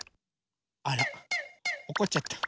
あらおこっちゃった。